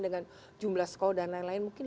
dengan jumlah sekolah dan lain lain mungkin